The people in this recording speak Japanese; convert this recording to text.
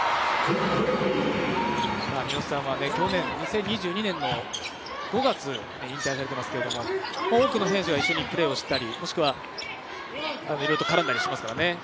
三好さんは去年２０２２年の５月、引退されていますけども、多くの選手が一緒にプレーをしたり、もしくは絡んだりしていますからね。